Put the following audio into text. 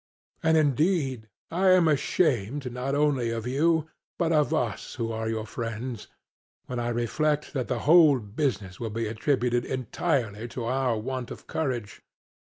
And indeed, I am ashamed not only of you, but of us who are your friends, when I reflect that the whole business will be attributed entirely to our want of courage.